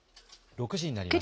６時になりました。